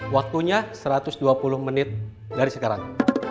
waktunya satu ratus dua puluh menit dari sekarang